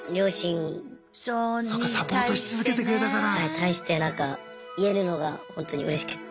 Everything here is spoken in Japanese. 対してなんか言えるのがほんとにうれしくて。